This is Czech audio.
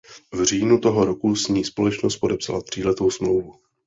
V říjnu toho roku s ní společnost podepsala tříletou smlouvu.